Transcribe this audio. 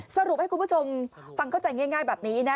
สรุปให้คุณผู้ชมฟังเข้าใจง่ายแบบนี้นะ